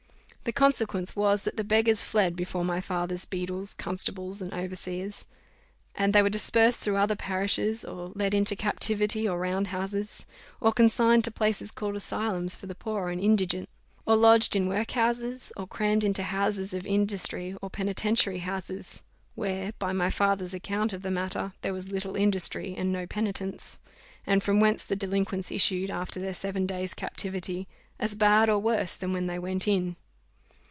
The consequence was, that the beggars fled before my father's beadles, constables, and overseers; and they were dispersed through other parishes, or led into captivity to roundhouses, or consigned to places called asylums for the poor and indigent, or lodged in workhouses, or crammed into houses of industry or penitentiary houses, where, by my father's account of the matter, there was little industry and no penitence, and from whence the delinquents issued, after their seven days' captivity, as bad or worse than when they went in.